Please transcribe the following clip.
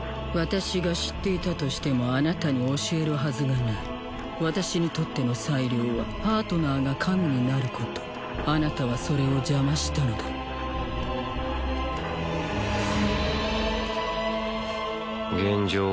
私が知っていたとしてもあなたに教えるはずがない私にとっての最良はパートナーが神になることあなたはそれを邪魔したのだ現状